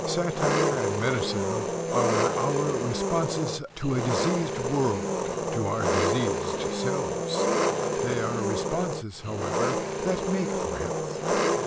Satire and medicine are our responses to a diseased world to our diseased selves. They are responses, however, that make for health.